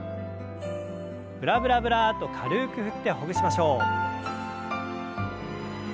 ブラブラブラッと軽く振ってほぐしましょう。